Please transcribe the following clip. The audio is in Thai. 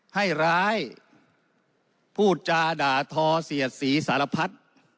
ให้ร้ายพูดจาด่าทอเสียดสีสารพัฒน์